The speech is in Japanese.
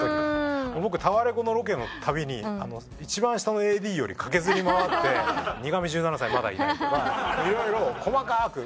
僕タワレコのロケのたびに一番下のＡＤより駆けずり回って「ニガミ１７才まだいない」とか色々細かく。